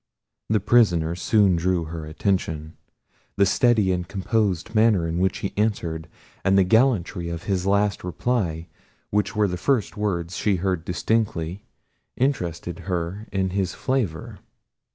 The prisoner soon drew her attention: the steady and composed manner in which he answered, and the gallantry of his last reply, which were the first words she heard distinctly, interested her in his favour.